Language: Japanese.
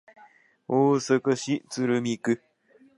大阪市鶴見区